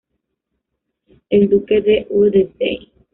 El Duque de Rothesay.